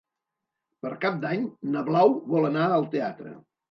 Per Cap d'Any na Blau vol anar al teatre.